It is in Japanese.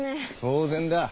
当然だ。